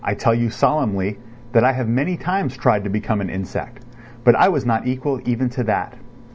I tell you solemnly, that I have many times tried to become an insect. But I was not equal even to that.